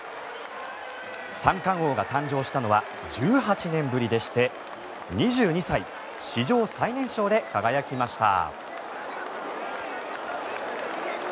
三冠王が誕生したのは１８年ぶりでして２２歳史上最年少で輝きました。